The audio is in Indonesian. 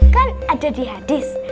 kan ada di hadis